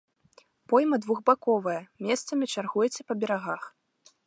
Пойма двухбаковая, месцамі чаргуецца па берагах.